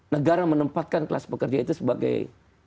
negara menempatkan kelas pekerja itu sebagai